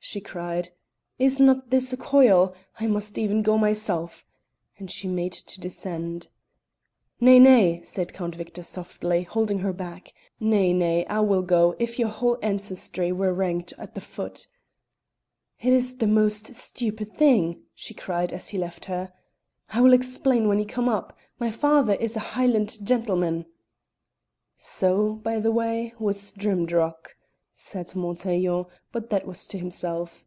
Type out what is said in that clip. she cried. "Is not this a coil? I must even go myself," and she made to descend. "Nay, nay," said Count Victor softly, holding her back. "Nay, nay; I will go if your whole ancestry were ranked at the foot." "It is the most stupid thing," she cried, as he left her; "I will explain when you come up. My father is a Highland gentleman." "So, by the way, was Drimdarroch," said Montaiglon, but that was to himself.